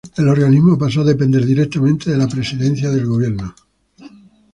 El organismo pasó a depender directamente de la Presidencia del Gobierno.